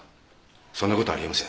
そんなことあり得ません。